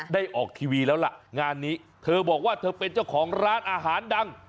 ออกทีวีแล้วล่ะงานนี้เธอบอกว่าเธอเป็นเจ้าของร้านอาหารดัง